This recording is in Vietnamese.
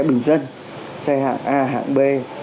bình dân xe hạng a hạng b